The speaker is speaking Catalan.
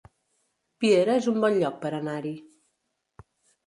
Piera es un bon lloc per anar-hi